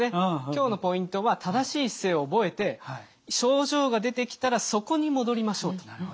今日のポイントは正しい姿勢を覚えて症状が出てきたらそこに戻りましょうと。